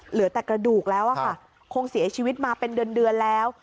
เหลือแต่กระดูกแล้วค่ะคงเสียชีวิตมาเป็นเดือนแล้ว